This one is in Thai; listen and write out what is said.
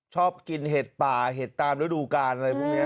ชอบกินเห็ดป่าเห็ดตามฤดูกันอะไรพวกเนี้ยเนี้ย